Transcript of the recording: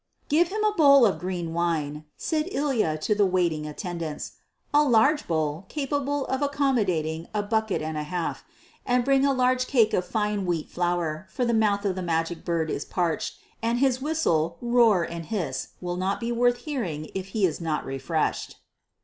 "Give him a bowl of green wine," said Ilya to the waiting attendants, "a large bowl, capable of accommodating a bucket and a half. And bring a large cake of fine wheat flour, for the mouth of the Magic Bird is parched, and his whistle, roar, and hiss will not be worth hearing if he is not refreshed."